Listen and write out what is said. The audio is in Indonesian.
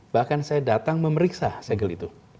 bahkan saya datang memeriksa segel itu